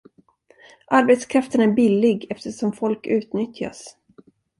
Arbetskraften är billig eftersom folk utnyttjas.